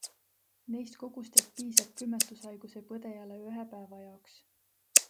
Neist kogustest piisab külmetushaiguse põdejale ühe päeva jaoks.